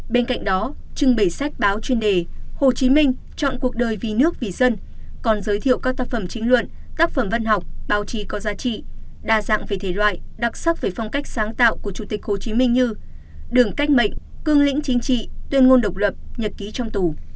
bên cạnh đó trưng bày sách báo chuyên đề hồ chí minh chọn cuộc đời vì nước vì dân còn giới thiệu các tác phẩm chính luận tác phẩm văn học báo chí có giá trị đa dạng về thể loại đặc sắc về phong cách sáng tạo của chủ tịch hồ chí minh như đường cách mệnh cương lĩnh chính trị tuyên ngôn độc lập nhật ký trong tù